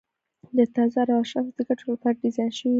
د تزار او اشرافو د ګټو لپاره ډیزاین شوي وو.